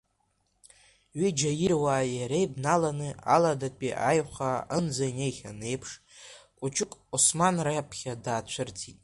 Ҩыџьа ируааи иареи бналаны аладатәи аиҩхаа аҟынӡа инеихьан еиԥш, Қучуқ Осман раԥхьа даацәырҵит.